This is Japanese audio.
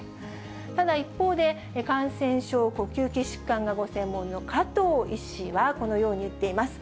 ただ一方で、感染症、呼吸器疾患がご専門の加藤医師は、このように言っています。